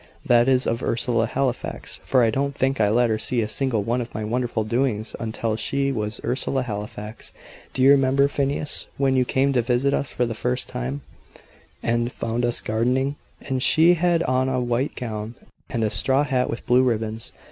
"That is, of Ursula Halifax for I don't think I let her see a single one of my wonderful doings until she was Ursula Halifax. Do you remember, Phineas, when you came to visit us the first time, and found us gardening?" "And she had on a white gown and a straw hat with blue ribbons.